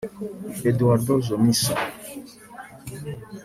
Eduardo Jumisse